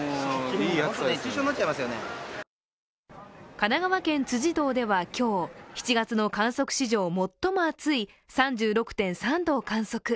神奈川県辻堂では今日、７月の観測史上最も暑い３６．３度を観測。